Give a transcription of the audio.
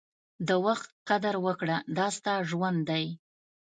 د وخت قدر وکړه، دا ستا ژوند دی.